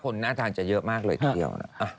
คนหน้าทางจะเยอะมากเลยทีเดียว